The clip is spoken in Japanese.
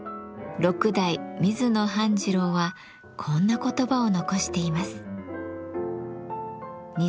六代水野半次郎はこんな言葉を残しています。